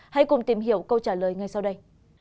hãy cùng tìm hiểu câu trả lời ngay sau đây